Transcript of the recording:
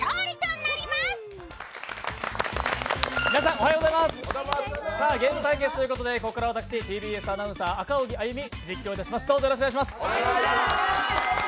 おはようございますゲーム対決ということでここからはＴＢＳアナウンサー赤荻歩、実況いたします。